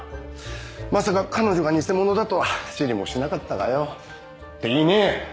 まさか彼女が偽者だとは知りもしなかったがよっていねえ。